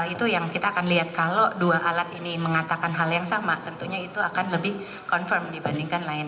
itu yang kita akan lihat kalau dua alat ini mengatakan hal yang sama tentunya itu akan lebih confirm dibandingkan lain